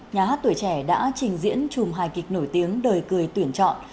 nhà hát tuổi trẻ đã trình diễn chùm hài kịch nổi tiếng đời cười tuyển chọn